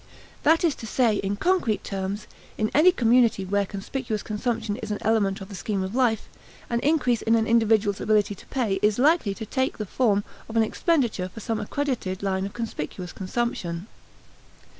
That is to say, in concrete terms, in any community where conspicuous consumption is an element of the scheme of life, an increase in an individual's ability to pay is likely to take the form of an expenditure for some accredited line of conspicuous consumption.